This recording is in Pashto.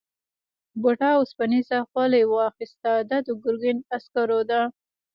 بوډا اوسپنيزه خولۍ واخیسته دا د ګرګین عسکرو ده.